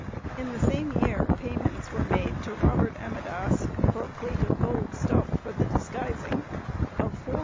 In the same year payments were made to Robert Amadas, for plate of gold stuff for the disguising, of £451 12_s.